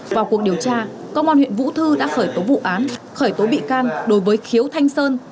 vào cuộc điều tra công an huyện vũ thư đã khởi tố vụ án khởi tố bị can đối với khiếu thanh sơn